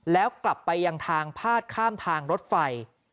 แล้วกลับไปยังทางพาดข้ามทางรถไฟ